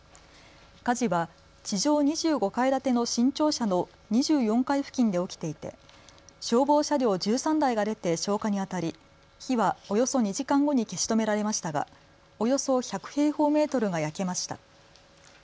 火事は地上２５階建ての新庁舎の２４階付近で起きていて消防車両１３台が出て消火にあたり火はおよそ２時間後に消し止められましたがおよそ１００平方メートルが焼けました。